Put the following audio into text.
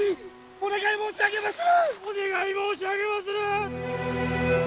お願い申し上げまする！